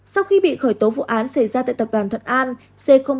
sau khi bị khởi tố vụ án xảy ra tại tập đoàn thuận an